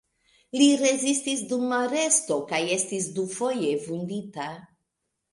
Li rezistis dum aresto kaj estis dufoje vundita.